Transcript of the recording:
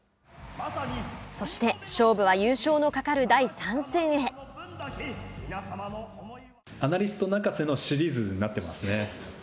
そして、勝負は優勝のかかるアナリスト泣かせのシリーズになっていますね。